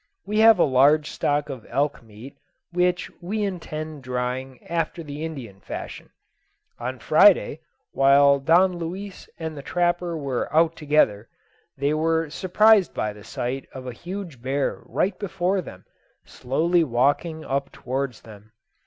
We have a large stock of elk meat, which we intend drying after the Indian fashion. On Friday, while Don Luis and the trapper were out together, they were surprised by the sight of a huge bear right before them, slowly walking up towards them.